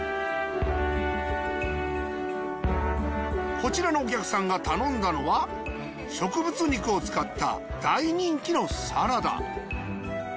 こちらのお客さんが頼んだのは植物肉を使った大人気のサラダ。